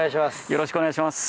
よろしくお願いします。